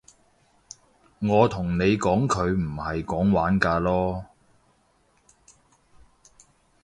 我同咗你講佢唔係講玩㗎囉